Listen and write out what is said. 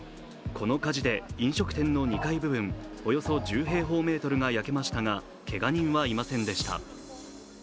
この火事で飲食店の２階部分、およそ１０平方メートルが焼けましたがけが人はいませんでした。